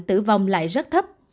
tử vong lại rất thấp